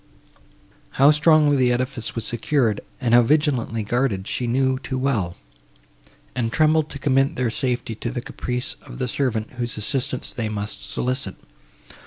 How strongly the edifice was secured, and how vigilantly guarded, she knew too well; and trembled to commit their safety to the caprice of the servant, whose assistance they must solicit.